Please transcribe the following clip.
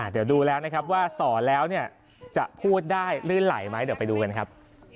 เดี๋ยวดูแล้วนะครับว่าสอนแล้วเนี่ยจะพูดได้ลื่นไหลไหมเดี๋ยวไปดูกันครับ